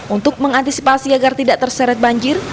untuk mengantisipasi agar tidak terseret banjir